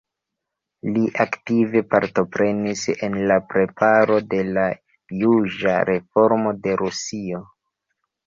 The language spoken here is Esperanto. Li aktive partoprenis en la preparo de la juĝa reformo de Rusio.